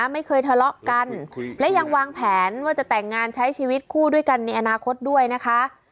ไม่เคยทะเลาะกันและยังวางแผนว่าจะแต่งงานใช้ชีวิตคู่ด้วยกันในอนาคตด้วยนะคะ